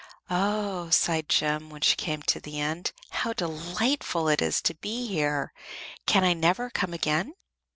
"Oh!" sighed Jem, when she came to the end. "How delightful it is to be here! Can I never come again?"